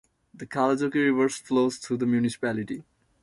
The Kalajoki river flows through the municipality.